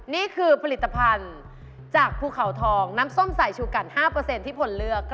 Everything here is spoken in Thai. นี่คือผลิตภัณฑ์จากภูเขาทองน้ำส้มสายชูกรันห้าเปอร์เซ็นต์ที่ผลเลือก